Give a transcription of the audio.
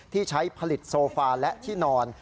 ที่ใช้ผลิตโซฟาและที่นอน